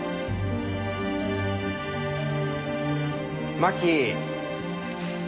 真紀。